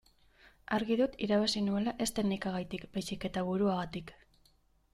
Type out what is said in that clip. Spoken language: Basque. Argi dut irabazi nuela ez teknikagatik baizik eta buruagatik.